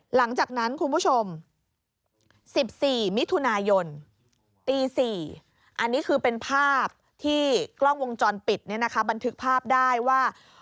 หลังจากนั้นคุณผู้ชม๑๔มิถุนายนตี๔อันนี้คือเป็นภาพที่กล้องวงจรปิดบันทึกภาพได้ว่า